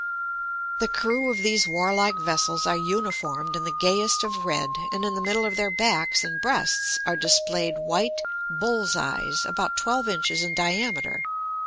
The crew of these warlike vessels are uniformed in the gayest of red, and in the middle of their backs and breasts are displayed white "bull's eyes" about twelve inches in diameter.